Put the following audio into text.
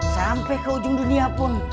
sampai ke ujung dunia pun